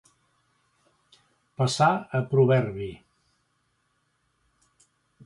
Passar a proverbi.